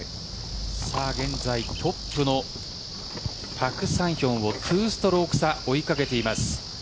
現在トップのパク・サンヒョンを２ストローク差追いかけています。